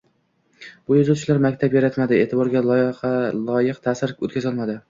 Bu yozuvchilar maktab yaratmadi, e’tiborga loyiqta’sir o‘tkazolmadi